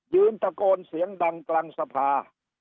ตะโกนเสียงดังกลางสภา